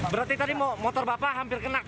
berarti tadi motor bapak hampir kena